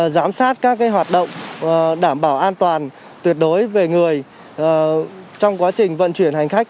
giám sát các hoạt động đảm bảo an toàn tuyệt đối về người trong quá trình vận chuyển hành khách